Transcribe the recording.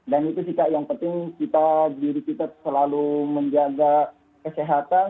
dan itu sih kak yang penting kita diri kita selalu menjaga kesehatan